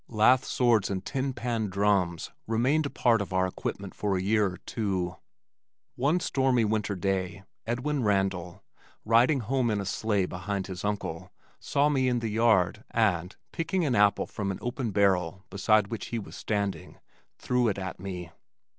Lath swords and tin pan drums remained a part of our equipment for a year or two. One stormy winter day, Edwin Randal, riding home in a sleigh behind his uncle, saw me in the yard and, picking an apple from an open barrel beside which he was standing, threw it at me.